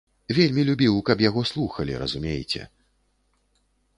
Вельмі любіў, каб яго слухалі, разумееце.